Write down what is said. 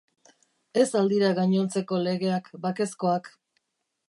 Ez al dira gainontzeko legeak bakezkoak?